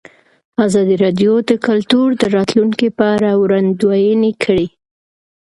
ازادي راډیو د کلتور د راتلونکې په اړه وړاندوینې کړې.